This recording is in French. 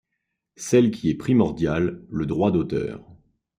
Celle qui est primordiale : le droit d’auteur.